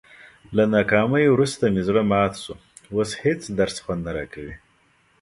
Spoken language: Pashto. له ناکامۍ ورسته مې زړه مات شو، اوس هېڅ درس خوند نه راکوي.